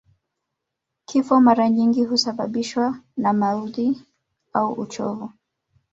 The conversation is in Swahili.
Kifo mara nyingi huasababishwa na maudhi au uchovu